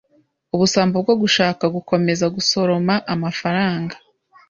ubusambo bwo gushaka gukomeza gusoroma amafaranga